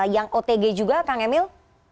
yang otg juga kang emil